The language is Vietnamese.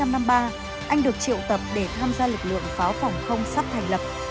năm một nghìn chín trăm năm mươi ba anh được triệu tập để tham gia lực lượng pháo phòng không sắp thành lập